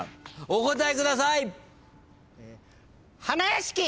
お答えください。